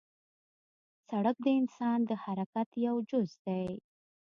سړک د انسان د حرکت یو جز دی.